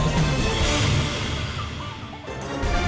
prime news segera kembali